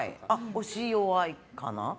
押し、弱いかな。